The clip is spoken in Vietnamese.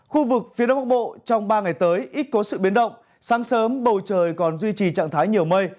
khu vực phía đông bắc bộ trong ba ngày tới ít có sự biến động sáng sớm bầu trời còn duy trì trạng thái nhiều mây